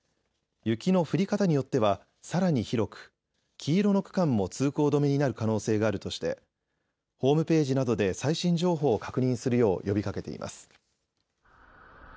雪の降り方によってはさらに広く黄色の区間も通行止めになる可能性があるとしてホームページなどで最新情報を確認するよう呼びかけています。